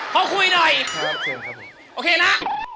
เขาคุยหน่อย